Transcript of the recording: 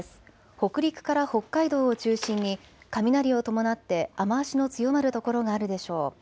北陸から北海道を中心に雷を伴って雨足の強まる所があるでしょう。